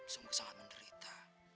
sungguh sangat menderita